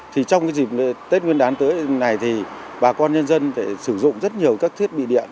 thì trong cái dịp tết nguyên đán tới này thì bà con nhân dân sử dụng rất nhiều các thiết bị điện